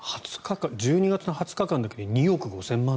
１２月の２０日間だけで２億５０００万人。